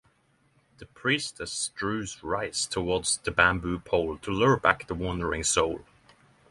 The priestess strews rice towards the bamboo pole to lure back the wandering soul.